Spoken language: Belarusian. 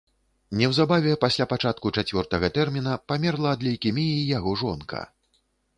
Неўзабаве пасля пачатку чацвёртага тэрміна памерла ад лейкеміі яго жонка.